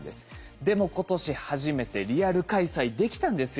でも今年初めてリアル開催できたんですよ。